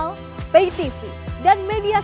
linda yang tato ya